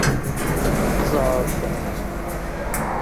Zɛeḍ.